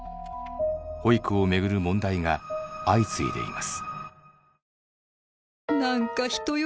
保育をめぐる問題が相次いでいます。